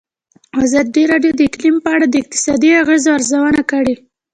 ازادي راډیو د اقلیم په اړه د اقتصادي اغېزو ارزونه کړې.